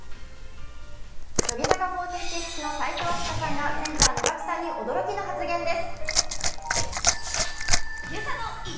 乃木坂４６の齋藤飛鳥さんがセンターの賀喜さんに驚きの発言です。